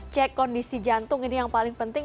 cek kondisi jantung ini yang paling penting